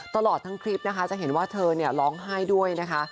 ตลอดทั้งคลิปนะคะจะเห็นว่าเธอร้องไห้ด้วยนะคะ